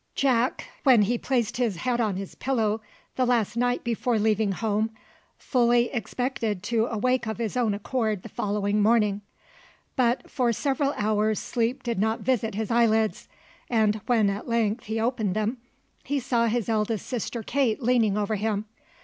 Jack, when he placed his head on his pillow the last night before leaving home, fully expected to awake of his own accord the following morning; but for several hours sleep did not visit his eyelids; and when at length he opened them, he saw his eldest sister Kate leaning over him.